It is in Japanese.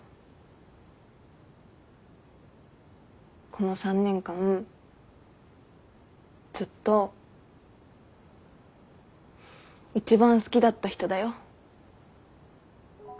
この３年間ずっと一番好きだった人だよ。